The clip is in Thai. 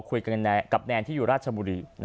คุยกับแนนที่อยู่ราชบุรี